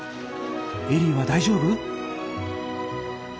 エリーは大丈夫？